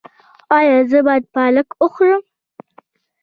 ایا زه باید پالک وخورم؟